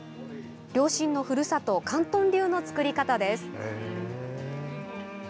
両親のふるさと広東流の作り方です。